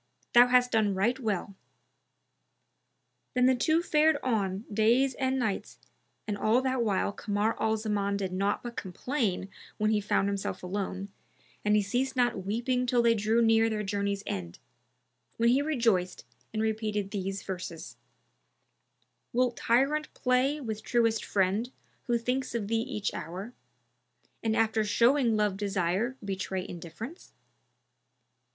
Thou hast done right well.''[FN#298] Then the two fared on days and nights and all that while Kamar al Zaman did naught but complain when he found himself alone, and he ceased not weeping till they drew near their journeys end, when he rejoiced and repeated these verses, "Wilt tyrant play with truest friend who thinks of thee each hour, * And after showing love desire betray indifference?